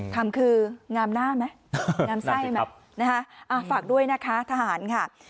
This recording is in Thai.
คำคืองามหน้าไหมงามใส่ไหมฝากด้วยนะคะทหาร